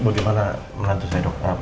bagaimana menantu saya dok